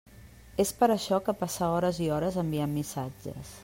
És per això que passa hores i hores enviant missatges.